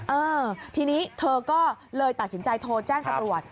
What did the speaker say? เออทีนี้เธอก็เลยตัดสินใจโทรแจ้งตำรวจ